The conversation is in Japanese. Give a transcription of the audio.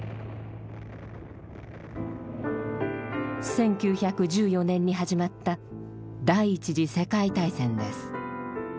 １９１４年に始まった第一次世界大戦です。